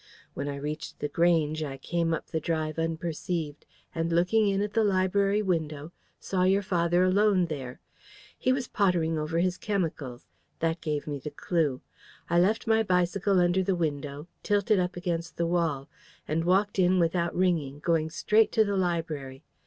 When I reached The Grange, I came up the drive unperceived, and looking in at the library window, saw your father alone there. He was pottering over his chemicals. That gave me the clue. I left my bicycle under the window, tilted up against the wall, and walked in without ringing, going straight to the library.